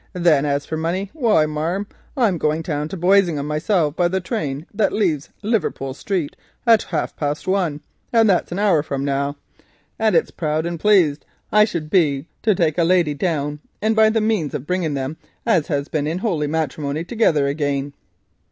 Then as for money, why, marm, I'm a going down to Boisingham myself by the train as leaves Liverpool Street at half past one, and that's an hour and a bit from now, and it's proud and pleased I should be to take a lady down and be the means of bringing them as has been in holy matrimony togither again.